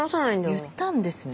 言ったんですね？